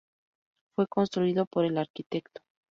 Fue construido por el Arq.